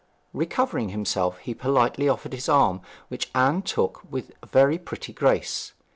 Recovering himself, he politely offered his arm, which Anne took with a very pretty grace.